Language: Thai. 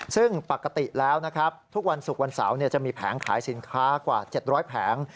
ซึ่งปกติแล้วนะครับทุกวันศุกร์วันเสาร์จะมีแผงขายสินค้ากว่า๗๐๐แผง